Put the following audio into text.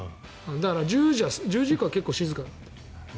だから、１０時以降は結構静かだった。